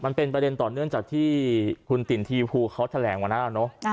มันเป็นประเด็นต่อเนื่องจากที่คุณติ่นทีภูเขาแถลงมาแล้วเนอะ